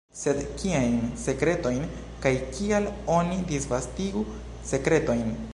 Sed kiajn sekretojn, kaj kial oni disvastigu sekretojn?